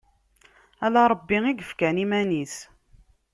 Ala Ṛebbi i yekfan iman-is.